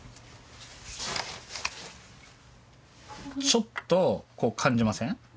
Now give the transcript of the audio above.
ちょっと感じません？